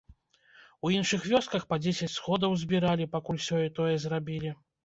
У іншых вёсках па дзесяць сходаў збіралі, пакуль сёе-тое зрабілі.